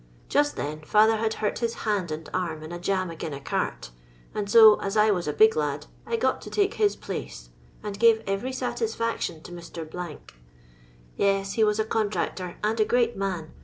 Just then, father had hurt his hand and arm, in a jam again' a cart, and so, as I was a big lad, I got to take his place, and gave every satisfaction to Mr. . Yes, he was a contractor and a great man.